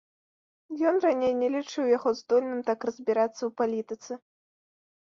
Ён раней не лічыў яго здольным так разбірацца ў палітыцы.